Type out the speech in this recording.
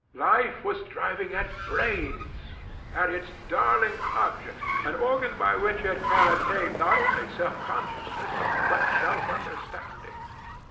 Life was driving at brains at its darling object: an organ by which it can attain not only self consciousness but self understanding.